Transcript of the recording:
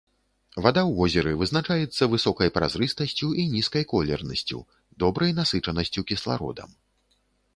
Вада ў возеры вызначаецца высокай празрыстасцю і нізкай колернасцю, добрай насычанасцю кіслародам.